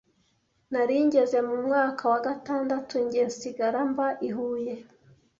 Nari ngeze mu mwaka wa gatandatu njye nsigara mba i Huye,